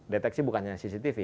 deteksi bukannya cctv